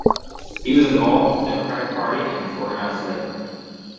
He was involved with the Democratic Party and with organized labor.